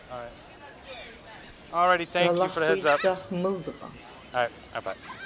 სგა ლახხვი̄დდახ მჷლდღა.